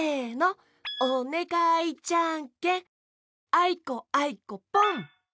あいこあいこポン！